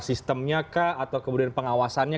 sistemnya kah atau kemudian pengawasannya